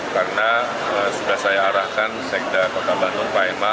karena sudah saya arahkan sekda kota bandung kma